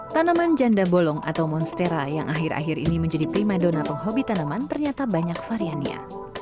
tanaman janda bolong atau monstera yang akhir akhir ini menjadi prima dona penghobi tanaman ternyata banyak variannya